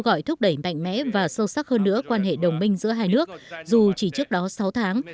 gọi thúc đẩy mạnh mẽ và sâu sắc hơn nữa quan hệ đồng minh giữa hai nước dù chỉ trước đó sáu tháng